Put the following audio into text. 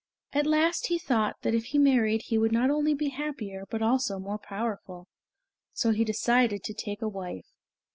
At last he thought that if he married he would not only be happier, but also more powerful. So he decided to take a wife.